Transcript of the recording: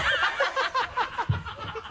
ハハハ